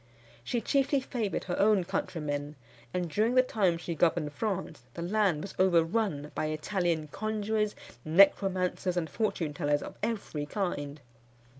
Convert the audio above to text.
She chiefly favoured her own countrymen; and during the time she governed France, the land was overrun by Italian conjurors, necromancers, and fortune tellers of every kind.